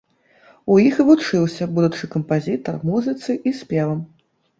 У іх і вучыўся будучы кампазітар музыцы і спевам.